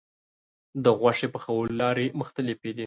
د غوښې پخولو لارې مختلفې دي.